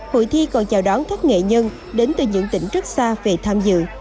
hội thi còn chào đón các nghệ nhân đến từ những tỉnh rất xa về tham dự